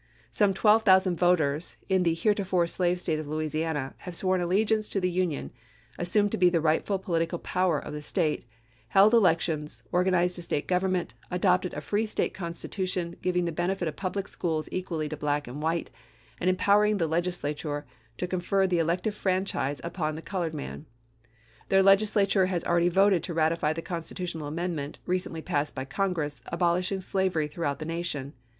Some twelve thousand voters in the heretofore slave State of Louisiana have sworn allegiance to the Union, assumed to be the rightful politi cal power of the State, held elections, organized a State government, adopted a free State consti tution, giving the benefit of public schools equally to black and white, and empowering the Legis lature to confer the elective franchise upon the col ored man. Their Legislature has already voted to ratify the constitutional amendment, recently passed by Congress, abolishing slavery throughout the nation.